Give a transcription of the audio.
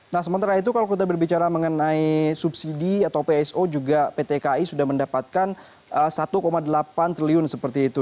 nah sementara itu kalau kita berbicara mengenai subsidi atau pso juga pt ki sudah mendapatkan satu delapan triliun seperti itu